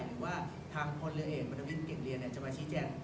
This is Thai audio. หรือว่าทางพลเรือเอกมรวิทย์เก่งเรียนจะมาชี้แจง